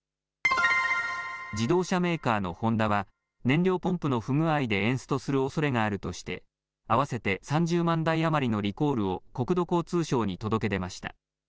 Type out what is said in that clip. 自動車メーカーのホンダは、燃料ポンプの不具合でエンストするおそれがあるとして、合わせて３０万台余りのリコールを国土交通省に届け出ました。